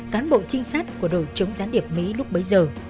cán bộ trinh sát của đội chống gián điệp mỹ lúc bấy giờ